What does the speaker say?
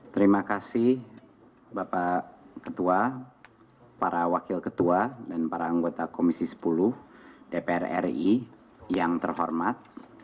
terima kasih bapak ketua para wakil ketua dan para anggota komisi sepuluh dpr ri yang terhormat